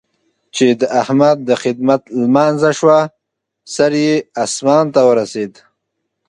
چې د احمد د خدمت لمانځه شوه؛ سر يې اسمان ته ورسېد.